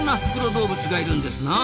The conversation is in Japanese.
動物がいるんですなあ。